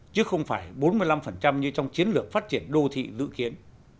chứ không phải bốn mươi năm như trong chiến lược phát triển đô thị dự kiến